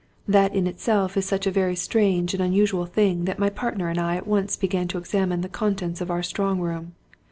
That in itself was such a very strange and unusual thing that my partner and I at once began to examine the contents of our strong room.